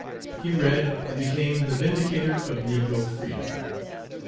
He read, and became the vindicator of negro freedom.